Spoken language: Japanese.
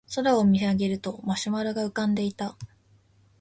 空を見上げるとマシュマロが浮かんでいた